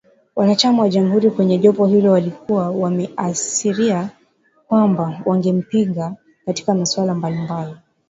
Wanachama wa Jamuhuri kwenye jopo hilo walikuwa wameashiria kwamba wangempinga katika masuala mbalimbali